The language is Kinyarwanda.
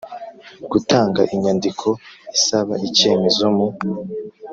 Gutanga inyandiko isaba icyemezo mu